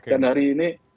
dan hari ini